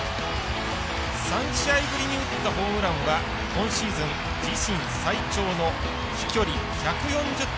３試合ぶりに打ったホームランは今シーズン自身最長の飛距離１４０．８ｍ。